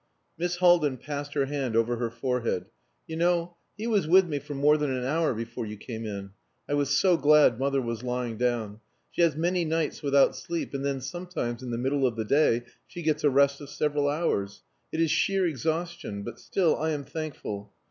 Miss Haldin passed her hand over her forehead. "You know, he was with me for more than an hour before you came in. I was so glad mother was lying down. She has many nights without sleep, and then sometimes in the middle of the day she gets a rest of several hours. It is sheer exhaustion but still, I am thankful....